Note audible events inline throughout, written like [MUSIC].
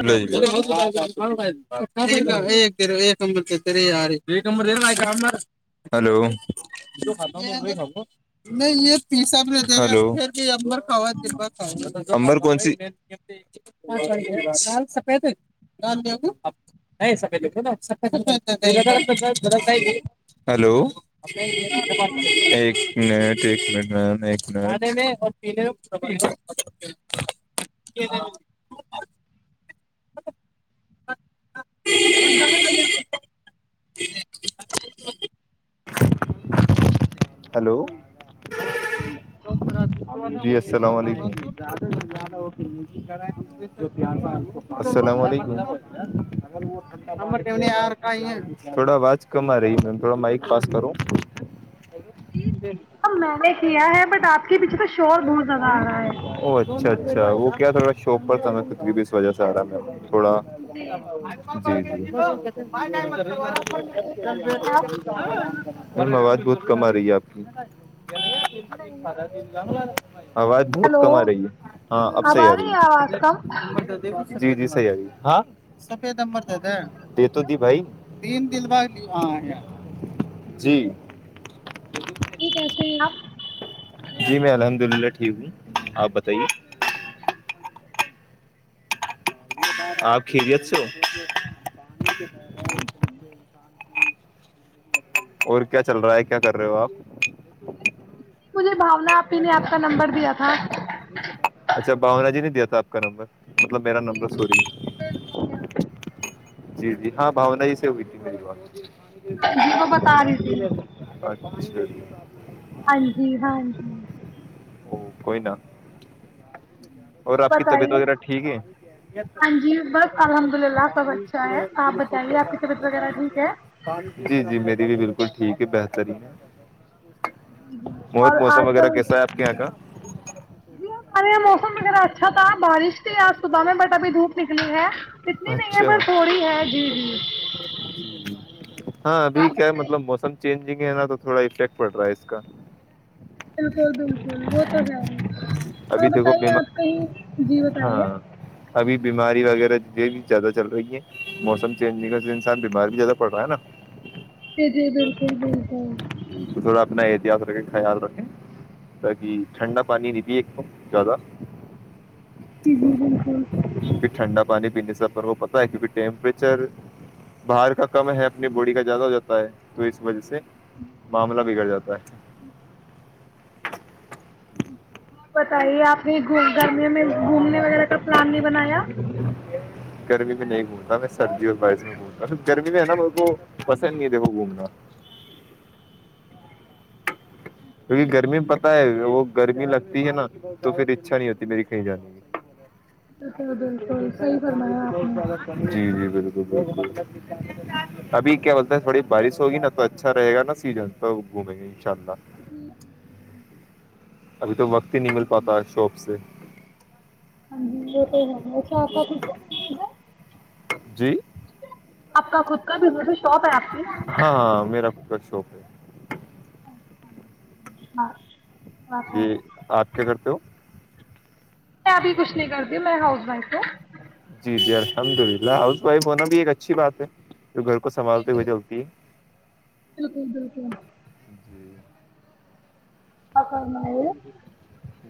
نہیں ج [UNINTELLIGIBLE] ہلو نہیں یہ یہ ساب رہتے پھر کے [UNINTELLIGIBLE] از کمبر کون سی [UNINTELLIGIBLE] [UNINTELLIGIBLE] [UNINTELLIGIBLE] ہ [UNINTELLIGIBLE] ہلو جی السلام علیکم [UNINTELLIGIBLE] السلام علیکم [UNINTELLIGIBLE] تھوڑا آوج کم رہی م تھڑا مائک پاس کروں جی اب میں نے کیا ہے بٹ آپ کے پیچھے تو شور بہت زیادہ آ رہا ہے او اچھا اچھا وہ کیا تھیرا شاپ پرریب اس وجہ سے سارا میں تھوڑا جی جی [UNINTELLIGIBLE] [UNINTELLIGIBLE] ان میں آواز بہت کم آ رہی ہے آپ کی آواز بہت ہلو کم آ رہی ہے ہاں اب صحیح آ رہی ہے جی جی صحیح آگی ہاں سفیدمبر بھائی د جی یہ کیسے ہی آپ جی میں الحمد للہ ٹھیک ہوں آپ بتائیے [INAUDIBLE] آپ خریت سے ہے اور کیا چل رہا ہے کیا کر رہے ہو آپ بانا آپی نے آپ کا نمبر دیا تھا [INAUDIBLE] اچھا باونا جی نہیں دیا تھا آپ کا نمبر مطلب میرا نمبر سوری [INAUDIBLE] جی جی ہاں بھانا ہی سے ہوئی تھی میری بات جی وہ بتا رہی تھی [INAUDIBLE] [INAUDIBLE] ہاں جی ہاں جی او کوئی نا اور آپ کی طبیعت بتائیے وغیرہ ٹھیک ہے ہاں جی بس الحمد للہ سب اچھا ہے آپ بتائیے آپ کی طبیعت وغیرہ ٹھیک ہے جی جی میری بھی بالکل ٹھیک ہے ترین جی جی اور آج کل آپ کے یہاں کا جی ہم ہمارے یہ موسم وغیرہ اچھا تھا پانی کی بارش قدر آج صبح کرے میں بٹ پانی ابھی کی دھوپ نکلی ہے اہمیت اتنی نہیں ہے اچھا پر تھوڑی ہے جی جی ہاں ابھی کیا ہے مطلب موسم چ گ ہے نا تو تھوڑا افیکٹ پڑ رہا ہے اس کا بالکل بالکل وہ تو ہے ہی ابھی اور دیکھو بتائیے بیما آپ کہیں جی بتائیے ہاں ابھی بیماری وغیرہ یہ بھی زیادہ چل رہی ہے موسم چینج نہیں کر انسان بیمار بھی زیادہ پڑ رہا ہے نا جی جی بالکل بالکل تو تھوڑا اپنا احتیاط رکھیں خیال رکھیں تاکہ ٹھنڈا پانی نہیں بھی ایک توم زیادہ جی جی بالکل پھر ٹھنڈا پانی پینے سے سر وہ پتا ہے کیونکہ ٹیمپریچر باہر کا کم ہے اپنی باڈی کا زیادہ ہو جاتا ہے تو اس وجہ سے معاملہ بگڑ جاتا ہے ج بتائیے آپ نے گرمیوں میں گھومنے وغیرہ کا پلان نہیں بنایا گرمی میں نہیں گھومتا میں سردی اور بارش میں گھومتا گرمی میں ہے نا میرے کو پسند نہیں د وہ گھومنا کیونکہ گرمی پت ہے وہ گرمی لگتی ہے نا تو پھر اچھا نہیں ہوتی میری کہیں جانے کی بالکل ابھی د بالکل ہوتا ہے نا صحیح پانی فرمایا آپ بہت نے ہاں زیادہانی جی جی بالک د ابھی کیا بولتا ہے تھوڑی بارش ہوگی نا تو اچھاے گا نا سیزن تو گھومیں گے انشاء اللہ جی ابھی تو بہت نہیں مل پاتا ہے شاپ سے ہاں جی وہ تو ہوف جی آپ کا خود کا بھی ب ہاں ہاں میرا کچھ بت شوق ہے ہ جی آپ کیا کرتے ہو میں ابھی کچھ نہیں کرتی ہ میں ہاؤس وائف ہوں جی جی ہر شمد ال ہاؤس وائف ہونا بھی ایک اچھی بات ہے جو گھر کو سنبھالتے ہوئے چلتی ہے بالکل بالکل جی آپ فرمائیے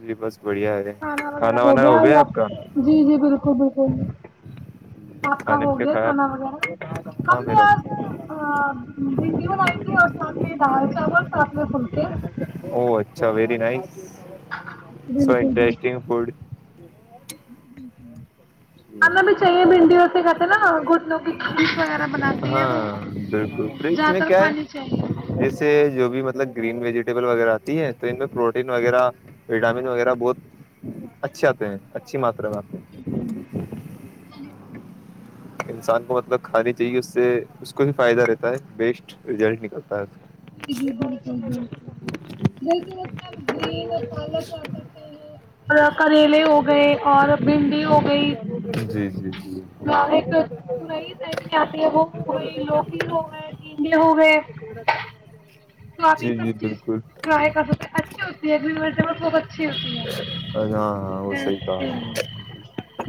جی بس بڑھیا ہے کھانا وغیرہ ہو وانا گیا یا آپ کا جی جی بالکل بالکل آپ کا کھانے ہو میں کیا گیا کھایا آپ کھانا وغیرہ ہمپ ہاں نے میرا آس بھنڈی بنائی تھی اور ساتھ میں چال چ ب ساتنے فلتے او اچھا ویری نائس سو بالکل بالکل انٹرسٹگ فوڈ [UNINTELLIGIBLE] ہی ہیں نا گھٹنوں کی جوس وغیرہ بناتی ہے تو ہاں بالکل تو اس زیادہ میں تر کیا ہے کھانی چاہیے جیسے جو بھی مطلب گرین ویجیٹیبل وغیرہ آتی ہے تو ان میں پروٹین وغیرہ وٹامن وغیرہ بہت اچھے آتے ہیں اچھی ماترا میں آپ [UNINTELLIGIBLE] انسان کو مطلب کھانانی چاہیے اس سے اس کو بھی فائدہ رہتا ہے بیسٹ ریزلٹ نکلتا ہے جی جی بالکل بالکل دیک اس گرین پالک کیا کرتے ہیں اور کریلے ہو گئے اور بھنڈی ہو گئی جی جی جی ایک پئی ٹائپ میں آتی ہے وہ ہو گئی لوکھی ہو گئے ٹنڈے ہو گئے تو آپ یہ جی جی سب چیز بالکل ٹرائی کر سکتے ہیں اچھے ہو اگ متے بت بہت اچھی ہوتی ہے ہاں ہاں وہ صحی کہا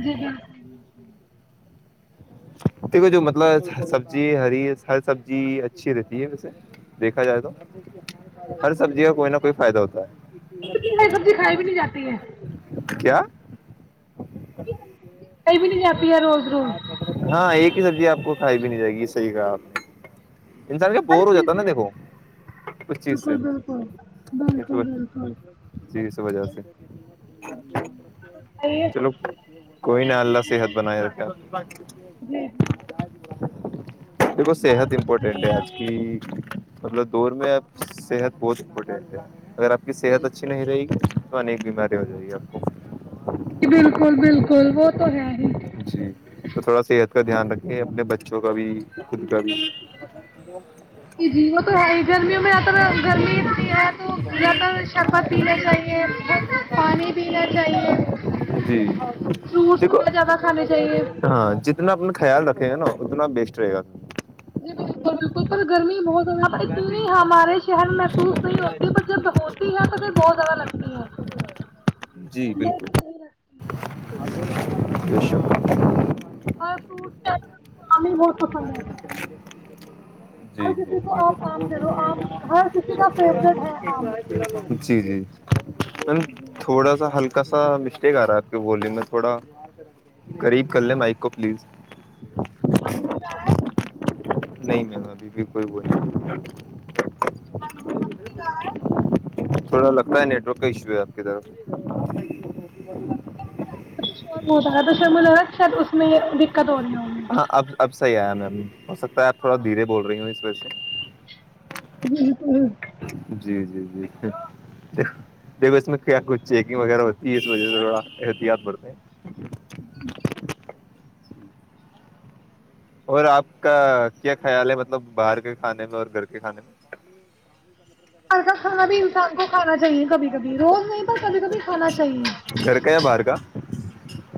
جی بالکل دیکھو جو مطلب سبزی ہری ہر سبزی اچھی رہتی ہے ویسے دیکھا جائے تو ہر سبزی کا کوئی نہ کوئی فائدہ ہوتا اتنی ہری سبزی کھائی بھی نہیں جاتی ہے ہے کیا [UNINTELLIGIBLE] جاتی ہے روز روز ہاں ایک ہی سبزی آپ کو آئی بھی نہیں جائے گی یہ صحیح کہ آپ انسان کا ہر بور ہو چیز جاتا نا میں دیکھو اس چیز بالکل بالکل بالکل بالکل سےز وجہ سے چلو کوئی ن اللہ سے صحت بنائے رکھ جی جی دھو صحت امپورٹینٹ ہے آج کی مطلب دور میں اب صحت بہت امپورٹینٹ ہے اگر آپ کی صحت اچھی نہیں رہے گی تویک بیماری ہو ج رہی ہے بالکل بالکل وہ تو ہے ہی جی تو تھوڑا صحت کا دھیان رکھے اپنے بچوں کا بھی خود کا بھی جی جی وہ تو ہے ہی گرمیوں میں زیادہ تر گرمی اتنی ہے تو زیادہ تر شربت پینا چاہیے پانی پینا چاہیے جی فروٹس دیکھو وغیرہ زیادہ کھانے چاہیے ہاں جتنا اپنا خیال رکھے گا نا اتنا بیسٹ رہے گا جی بالکل بالکل پر گرمی بہت وہاں پر اتنی ہمارے شہر میں محسوس نہیں ہوتی پر جب ہوتی ہے توھر بہت زیادہ لگتی ہے [UNINTELLIGIBLE] [UNINTELLIGIBLE] وشو اور ف [UNINTELLIGIBLE] ج جی ج دے دو آم ہر کسی کا فیوریٹ ہے آم مجھے جی جی میم تھوڑا سا ہلکا کیسا مسٹیک آ رہا ہے آپ کے بولے میں تھوڑا قریب کر لیں مائک کو پلیز ا نہیں م ابھی پ کوئی بول ہلو کوال ہے تھوڑا لگتا ہے نیٹ ورک کا ایشو ہے آپ کے طرف ہوتاا م ر میں دقت ہو رہی ہوں ہاں اب اب صحی آیا می ہو سکتا ہےپ تھوا دھیرے بول رہی ہوں اس وج سے جی جی جی جی دس میں کیا کچ چیکنگ وغیرہ ہو اس وجہ سے تھوڑا احتیاط برتے ہیں ج اور آپ کا کیا خیال ہے مطلب باہر کے کھانے میں اور گھر کے کھانے میں ہاںر شام کو کھانا چاہیے کبھی کبھی روز نہیں پر کبھی کبھی کھانا چاہیے گھر کا یا باہر کا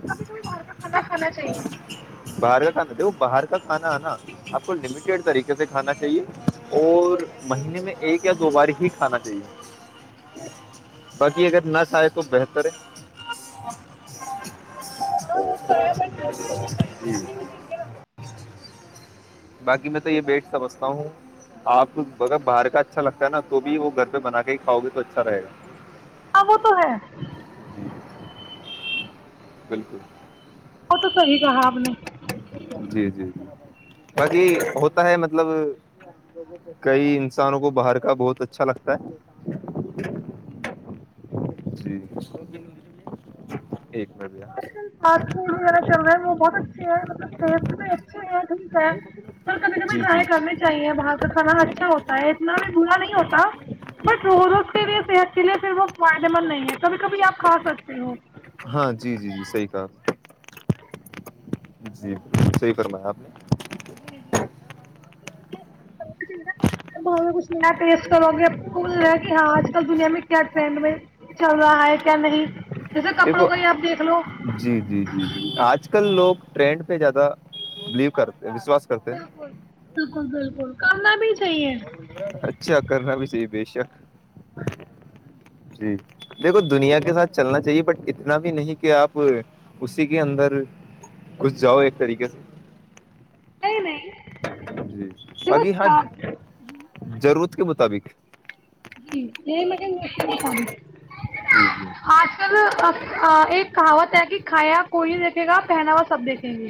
کبھی کبھی بر کا کھانا کھانا چاہیے باہر کا کھانا دیکھو باہر کا کھانا ہے نا آپ کو لمیٹیڈ طریقے سے کھانا چاہیے اور مہینے میں ایک یا دو بار ہی کھانا چاہیے باقی اگر نہ چاہے تو بہتر ہے جی باقی میں تو یہ بیٹ سمجھتا ہوں آپ اگر باہر کا اچھا لگتا ہے نا تو بھی وہ گھر پہ بنا کے ہی کھاؤ گے تو اچھا رہے گا ہاں وہ تو ہے جی بالکل وہ تو صحیح کہا آپ نے جی جی جی باقی ہوتا ہے مطلب کئی انسانوں کو باہر کا بہت اچھا لگتا ہے جی م اس وغیرہ چل رہے ہیں وہ بہت اچھے ہیں مطلب ٹیسٹ بھی اچھے ہے ٹھیک ہے پر کبھی کبھی جی جی ٹرائی کرنی چاہیے وہاں کا کھانا اچھا ہوتا ہے اتنا بھی برا نہیں ہوتا بٹ روز روز کے لیے صحت کے لیے پھر وہ اویلیبل نہیں ہے کبھی کبھی آپ کھا سکتے ہو ہاں جی جی جی صحیح کہ جی بالکل صحیح فرمایا آپ نے جی جی بھی کچ نہیں پ سروگ بول رہا ہے کہ ہاں آج کل دنیا میں کیا ٹرینڈ میں چل رہا ہے کیا نہیں جیسے دیکھو کپڑوں کا ہی آپ دیکھ لو جی جی جی آج آج کل لوگ ٹرینڈ پہ زیادہ بلیو کرتے وشواس کرتے ہیں بالکل بالکل بالکل کرنا بھی چاہیے اچھا کرنا بھی صحیح بے شک جی دیکھو دنیا کے ساتھ چلنا چاہیے بٹ اتنا بھی نہیں کہ آپ اسی کے اندر کھ جاؤ ایک طریقے سے [INAUDIBLE] دیکھو اگی ہاں چار ضرورت کے مطابق [UNINTELLIGIBLE] جی یہ مجے بتا جی جی آج کل ایک کہاوت ہے کہ کھایا کوئی نہیں دیکھے گا پہناوا سب دیکھیں گی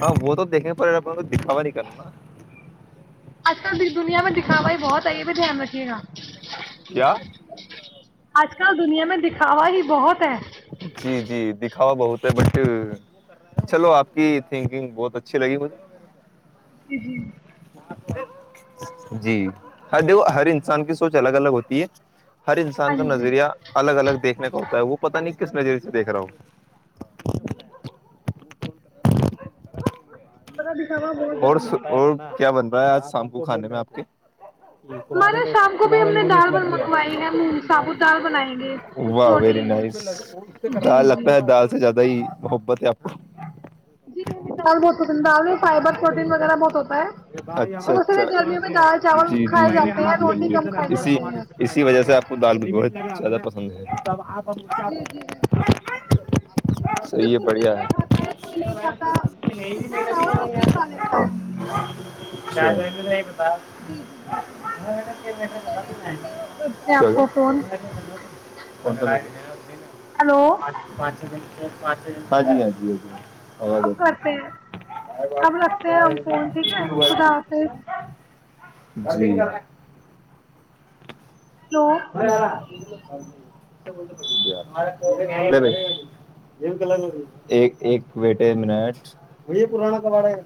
ہاں وہ تو دیکھنے پڑےا اپ کو دکھاوا نہیں کرنا نا اچھل دنیا میں دکھا بائی بہت آئی یہ بھی دھیان رکھیے گا کیا آج کل دنیا میں دکھاوا ہی بہت ہے ا بہت ہے بٹ چلو آپ کی تھنکنگ بہت اچھی لگی مجھے جیی [INAUDIBLE] جی ہ د ہرین انسان کی سوچ الگ الگ ہوتی ہے ہر ہاں انسان کا جی نظریہ الگ الگیکھنے کا ہوتا ہے وہ پتا نہیں کس نظریے سے دیکھ رہا ہوں ہ [UNINTELLIGIBLE] سوا بہت اور ضروری ہے اور کیا بن رہا ہے آج شام کو کھانے میں آپ کے [UNINTELLIGIBLE] ہمارے شام کو بھی ہم نے دال منگوائی ہے مونگ ثابوت دال بنائیں گے پروٹین جی جی [UNINTELLIGIBLE] کو [UNINTELLIGIBLE] بہت ہوتا ہے اچھا اور اس لیے اچھا گرمیوں میں دال چاول جی جی کھائے جاتے ہیں روٹی کم کھائی اسی جاتے ہیں اسی وجہ سے آپ کو دال بج زدا پسند ہے جی جی صحیح ہے بالکل کیکہ پل سے بڑھیا کوئی کھاتا ہے کوئی نہیں کھاتا سے چاول اور [UNINTELLIGIBLE] [UNINTELLIGIBLE] کھ پ میں آپ کو فون ہلو پارٹی دن کے [UNINTELLIGIBLE] ہاں جی ہاں جی ہ اب جی کرتے ہیں [UNINTELLIGIBLE] اب رکھتے ہیں ہم فون ٹھیک ہے خدا حافظ [UNINTELLIGIBLE] ہلو [UNINTELLIGIBLE] [UNINTELLIGIBLE] [UNINTELLIGIBLE] یہلر ایک ایک ویٹے منٹ م یہ پرانا کباڑا ہے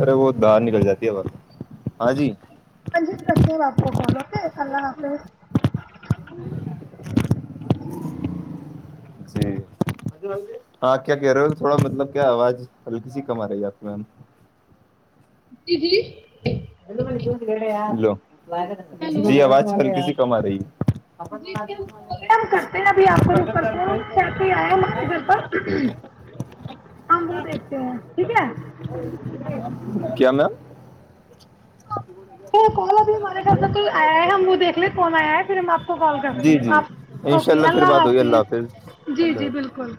ارے وہ دار نکل جاتی ہے بق ہاں جی ہاں جی رکھتے ہو آپ کون اوکے اللہ حافظ جی ہاں کیا کہہ رہے ہو تھوڑا مطلب کیا آواز الل کسی کم آ رہی ہے آپ میں ہم [UNINTELLIGIBLE] [UNINTELLIGIBLE] جی آواز کر کسی جی جی ہم بولے ہم کرتے ہیں ابھی آپ کو روک کرتے ہیں سیٹ ہی آیا ہمارے گھر پر ہم وہ دیکھتے ہیں ٹھیک ہے [UNINTELLIGIBLE] [UNINTELLIGIBLE] کال ابھی ہمارے خھر سے ک آیا ہے ہم وہ دیکھ لے کون آیا ہے پھر ہم آپ کو کال کرتے جی ہیں جی آپ انشاء اوکے پھر اللہ بات ہوگی حافظ جی اللہ جی حافظ بالکل